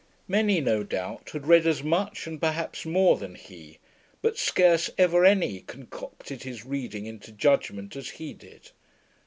Many, no doubt, had read as much and perhaps more than he; but scarce ever any concocted his reading into judgement as he did."